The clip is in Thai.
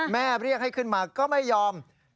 แม่เรียกให้มาก็ไม่ยอมมา